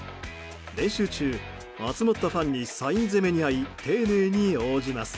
練習中、集まったファンにサイン攻めにあい丁寧に応じます。